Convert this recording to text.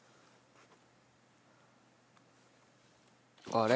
あれ？